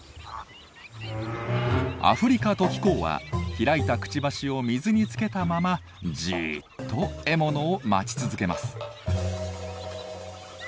アフリカトキコウは開いたくちばしを水につけたままじっと獲物を待ち続けます。